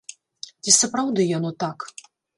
Ці сапраўды яно так?